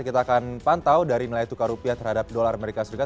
kita akan pantau dari nilai tukar rupiah terhadap dolar amerika serikat